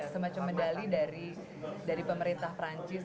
semacam medali dari pemerintah perancis